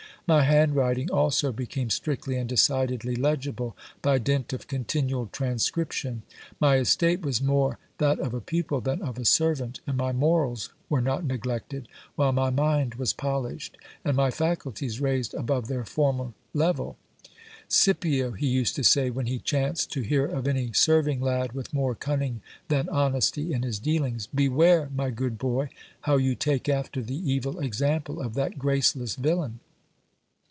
My hand writing also became strictly and decidedly legible, by dint of con tinual transcription ; my estate was more that of a pupil than of a servant, and my morals were not neglected, while my mind was polished, and my faculties raised above their former level. Scipio, he used to say, when he chanced to hear of any serving lad with more cunning than honesty in his dealings, beware, my good boy, how you take after the evil example of that graceless villain.